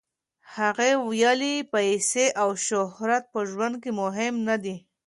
هغې ویلي، پیسې او شهرت په ژوند کې مهم نه دي.